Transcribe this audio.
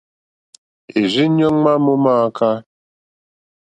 È rzí ɲɔ́ ŋmá mó mááká.